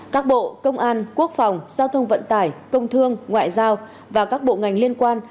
các bộ công an quốc phòng giao thông vận tải công thương ngoại giao và các bộ ngành liên quan